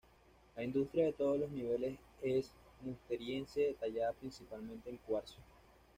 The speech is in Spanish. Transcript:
La industria de todos los niveles es musteriense, tallada principalmente en cuarzo.